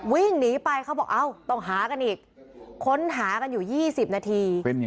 วิ่งหนีไปเขาบอกเอ้าต้องหากันอีกค้นหากันอยู่๒๐นาที